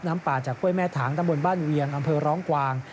ป่าจากห้วยแม่ถางตะบนบ้านเวียงอำเภอร้องกวาง